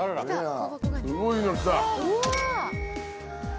すごいの来た。